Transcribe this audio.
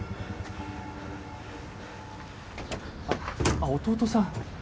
あっ弟さん。